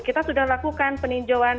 kita sudah lakukan peninjauan